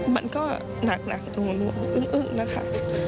มันก็หนักดูอึ้งนะคะ